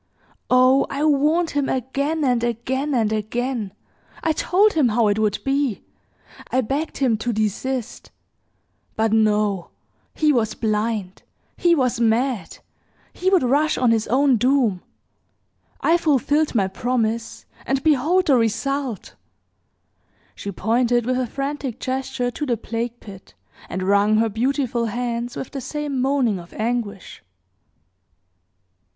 Oh, I warned him again, and again, and again. I told him how it would be I begged him to desist; but no, he was blind, he was mad; he would rush on his own doom! I fulfilled my promise, and behold the result!" She pointed with a frantic gesture to the plague pit, and wrung her beautiful hands with the same moaning of anguish.